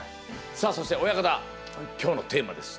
さあそして親方今日のテーマです。